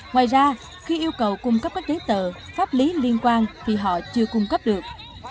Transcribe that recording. ngoài ra khi yêu cầu cung cấp các giấy tờ pháp lý liên quan thì họ chưa cung cấp được